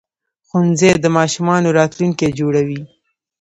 ښوونځي د ماشومانو راتلونکي جوړوي